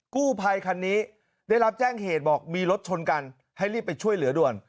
กู้ภัยคันนี้ได้รับแจ้งเหตุบอกมีรถชนกันให้รีบไปช่วยเหลือด่วน